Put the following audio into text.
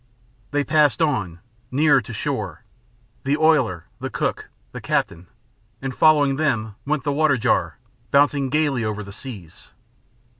They passed on, nearer to shore the oiler, the cook, the captain and following them went the water jar, bouncing gaily over the seas.